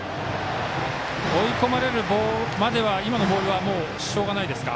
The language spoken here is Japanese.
追い込まれるまでは今のボールはしょうがないですか。